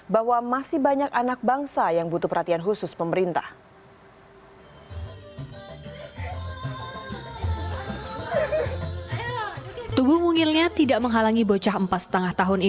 bahwa masih banyak anak bangsa yang butuh perhatian khusus pemerintah